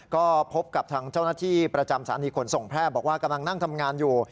ก็พบกับทางเจ้าหน้าที่ประจำสถานีขนส่งแพร่บอกว่ากำลังนั่งทำงานอยู่